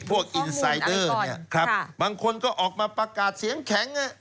พวกอินไซเดอร์บางคนก็ออกมาประกาศเสียงแข็ง